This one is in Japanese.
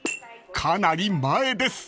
［かなり前です］